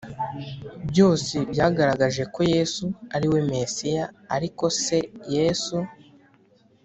Byose byagaragaje ko yesu ari we mesiya ariko se yesu